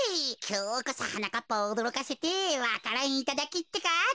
きょうこそはなかっぱをおどろかせてわか蘭いただきってか。